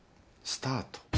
スタート。